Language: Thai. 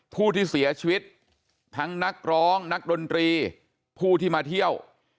ผู้ที่เสียชีวิตทั้งนักร้องนักดนตรีผู้ที่มาเที่ยว